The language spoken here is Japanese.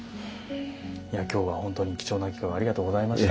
今日は本当に貴重な機会をありがとうございました。